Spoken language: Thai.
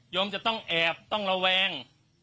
จะต้องแอบต้องระแวง